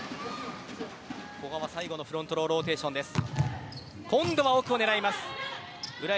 古賀は最後のフロントローローテーションです。